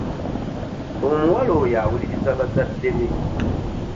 Omuwala oyo awuliriza bazadde be.